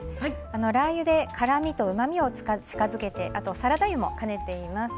ラー油で辛みとうまみを近づけてあとサラダ油も兼ねています。